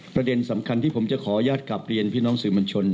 ประเด็นสำคัญที่ผมจะขออนุญาตกลับเรียนพี่น้องสื่อมวลชน